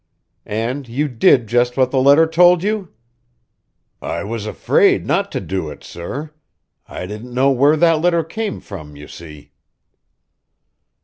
"And you did just what the letter told you?" "I was afraid not to do it, sir. I didn't know where that letter came from, you see."